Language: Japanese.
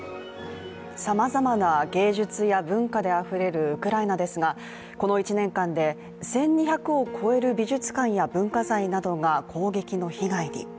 さまざまな芸術や文化であふれるウクライナですがこの１年間で１２００を超える美術館や文化財などが攻撃の被害に。